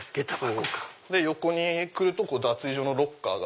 横に来ると脱衣所のロッカーが。